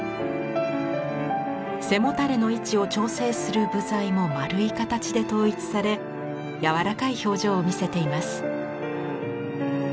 背もたれの位置を調整する部材も丸い形で統一され柔らかい表情を見せています。